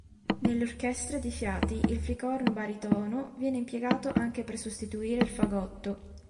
Nelle orchestre di fiati il flicorno baritono viene impiegato anche per sostituire il fagotto.